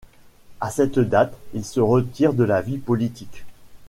À cette date, il se retire de la vie politique.